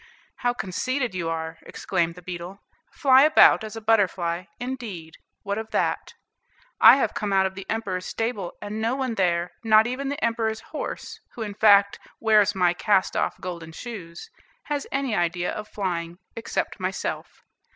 "How conceited you are!" exclaimed the beetle. "Fly about as a butterfly, indeed! what of that. I have come out of the Emperor's stable, and no one there, not even the Emperor's horse, who, in fact, wears my cast off golden shoes, has any idea of flying, excepting myself.